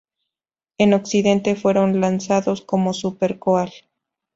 En occidente fueron lanzados como Super Goal!